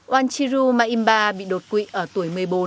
oanchiru ma bị đột quỵ ở tuổi một mươi bốn